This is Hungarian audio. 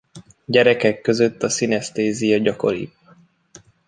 Gyerekek között a szinesztézia gyakoribb.